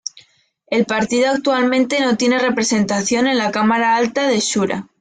El partido actualmente no tiene representación en la cámara alta, la Shura.